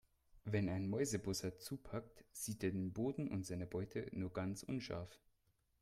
Wenn ein Mäusebussard zupackt, sieht er den Boden und seine Beute nur ganz unscharf.